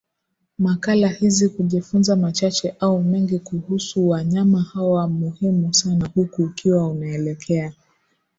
makala hizi kujifunza machache au mengi kuhusu wanyama hawa muhimu sana Huku ukiwa unaelekea